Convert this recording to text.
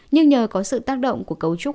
nhưng nhờ có sự tác động của cấu trúc